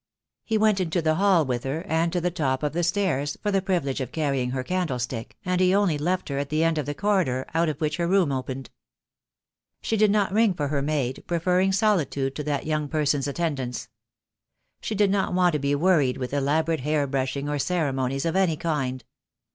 He went into the hall with her, and to the top of the stairs for the privilege of carrying her candlestick, and he only left her at the end of the corridor out of which her room opened. She did not ring for her maid, preferring solitude to that young person's attendance. She did not want to be worried with elaborate hair brushing or ceremonies of any kind.